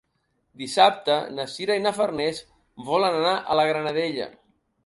Dissabte na Sira i na Farners volen anar a la Granadella.